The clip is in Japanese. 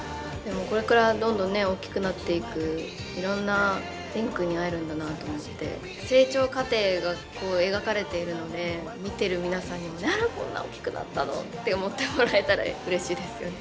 これからどんどん大きくなっていくいろんな蓮くんに会えるんだなと思って成長過程がこう描かれているので見てる皆さんにもこんな大きくなったのって思ってもらえたらうれしいですよね。